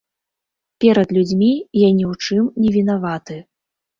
Перад людзьмі я ні ў чым не вінаваты.